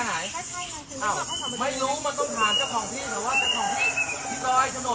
เอ้าจะไปถามรึเป็นเมื่อเขามีโชโกรธ